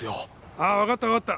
ああわかったわかった。